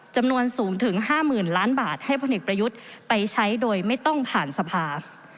จำนวนสูงถึง๕๐๐๐ล้านบาทให้พลเอกประยุทธ์ไปใช้โดยไม่ต้องผ่านสภา